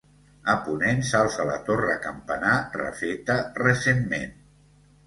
A ponent s'alça la torre campanar refeta recentment.